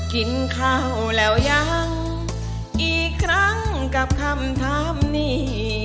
กินข้าวแล้วยังอีกครั้งกับคำถามนี้